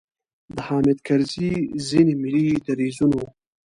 د حامد کرزي ځینې ملي دریځونو.